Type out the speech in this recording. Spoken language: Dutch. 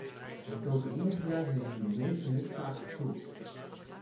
Het cocaïnegebruik neemt in de meeste lidstaten toe.